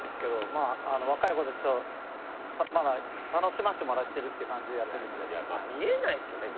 まあ若い子達とまだ楽しませてもらってるっていう感じでやってるんで見えないですけどね